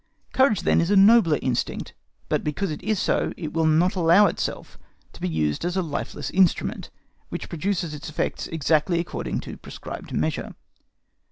Courage, then, is a nobler instinct. But because it is so, it will not allow itself to be used as a lifeless instrument, which produces its effects exactly according to prescribed measure.